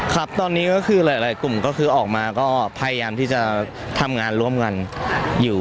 ครับตอนนี้ก็คือหลายกลุ่มก็คือออกมาก็พยายามที่จะทำงานร่วมกันอยู่